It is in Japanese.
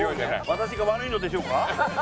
「私が悪いのでしょうか」？